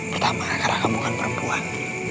pertama karena kamu kan perempuan